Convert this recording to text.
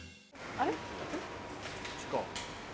あれ？